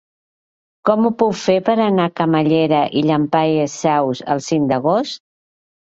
Com ho puc fer per anar a Camallera i Llampaies Saus el cinc d'agost?